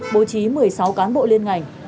bố trí một mươi sáu cán bộ liên ngành